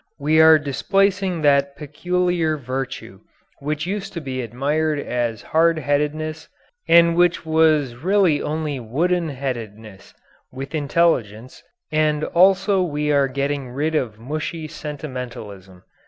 We are displacing that peculiar virtue which used to be admired as hard headedness, and which was really only wooden headedness, with intelligence, and also we are getting rid of mushy sentimentalism.